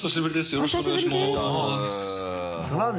よろしくお願いします。